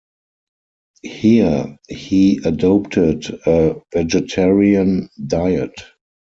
Here, he adopted a vegetarian diet.